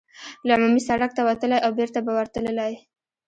له عمومي سړک ته وتلای او بېرته به ورتللای.